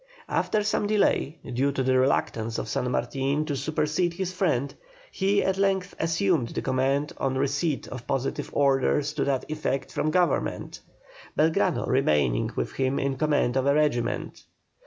After some delay, due to the reluctance of San Martin to supersede his friend, he at length assumed the command on receipt of positive orders to that effect from Government, Belgrano remaining with him in command of a regiment.